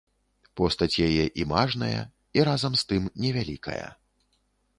Постаць яе і мажная і, разам з тым, невялікая.